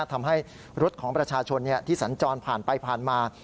ทำให้รถของประชาชนที่สัญจรผ่านไปผ่านมา